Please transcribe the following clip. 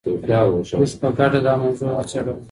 موږ په ګډه دا موضوع وڅېړله.